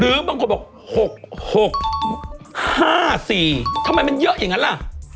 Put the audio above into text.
บางคนบอก๖๖๕๔ทำไมมันเยอะอย่างนั้นล่ะ